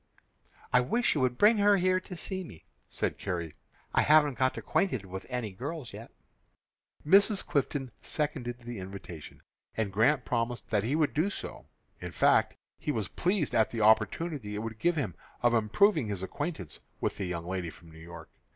"I wish you would bring her here to see me," said Carrie. "I haven't got acquainted with any girls yet." Mrs. Clifton seconded the invitation, and Grant promised that he would do so. In fact, he was pleased at the opportunity it would give him of improving his acquaintance with the young lady from New York.